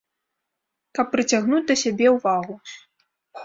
Каб прыцягнуць да сябе ўвагу.